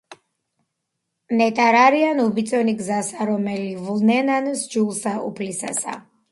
ნეტარ არიან უბიწონი გზასა, რომელნი ვლენან ჰსჯულსა უფლისასა.